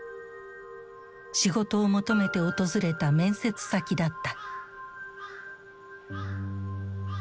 仕事を求めて訪れた面接先だった。